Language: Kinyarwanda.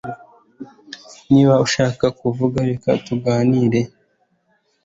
Niba ushaka kuvuga reka tuganire